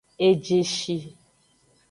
Ejeshi.